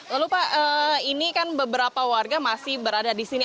lalu pak ini kan beberapa warga masih berada di sini